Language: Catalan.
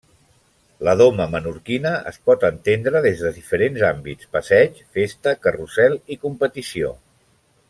La doma menorquina es pot entendre des de diferents àmbits: passeig, festa, carrusel i competició.